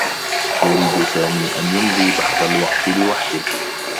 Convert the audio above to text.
يريد سامي أن يمضي بعض الوقت لوحده.